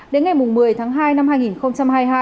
đến ngày một mươi tháng hai năm hai nghìn hai mươi hai